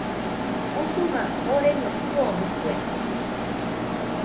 Usuma joreño kɨodɨkue.